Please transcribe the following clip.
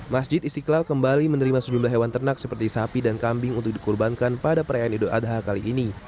masjid istiqlal kembali menerima sejumlah hewan ternak seperti sapi dan kambing untuk dikurbankan pada perayaan idul adha kali ini